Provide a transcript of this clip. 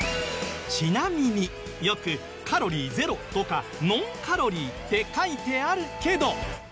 ちなみによく「カロリーゼロ」とか「ノンカロリー」って書いてあるけど。